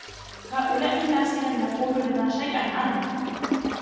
هؤلاء الناس لم يقولوا لنا شيئا عنك.